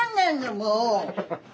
もう。